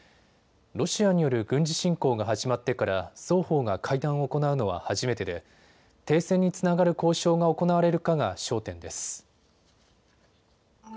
ロシアによる軍事侵攻が始まってから双方が会談を行うのは初めてで停戦につながる交渉が行われるかが焦点です。